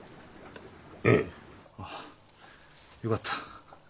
ええ。ああよかった。